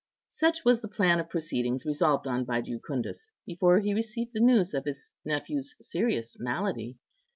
Such was the plan of proceedings resolved on by Jucundus before he received the news of his nephew's serious malady.